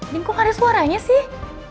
din kok gak ada suaranya sih